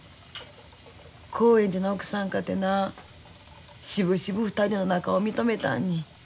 興園寺の奥さんかてなしぶしぶ２人の仲を認めたんに分かったあんねん。